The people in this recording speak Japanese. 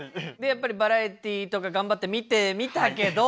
やっぱりバラエティーとか頑張って見てみたけど。